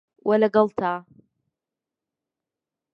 وه لەگەڵ تا